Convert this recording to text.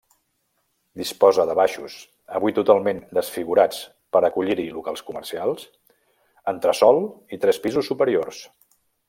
Disposa de baixos -avui totalment desfigurats per acollir-hi locals comercials-, entresòl i tres pisos superiors.